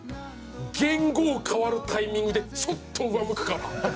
元号変わるタイミングでちょっと上向くから。